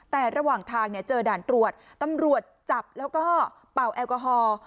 แต่ระหว่างทางเนี่ยเจอด่านตรวจตำรวจจับแล้วก็เป่าแอลกอฮอล์